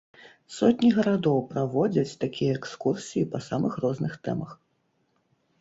Сотні гарадоў праводзяць такія экскурсіі па самых розных тэмах.